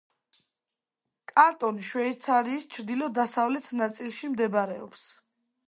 კანტონი შვეიცარიის ჩრდილო-დასავლეთ ნაწილში მდებარეობს.